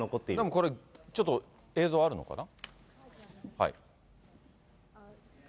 これちょっと映像あるのかな？